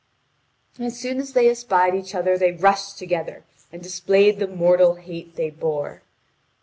As soon as they espied each other they rushed together and displayed the mortal hate they bore.